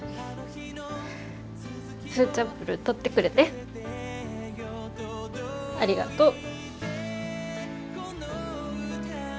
フーチャンプルー取ってくれてありがとう。